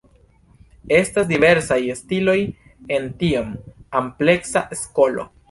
Estas diversaj stiloj en tiom ampleksa skolo.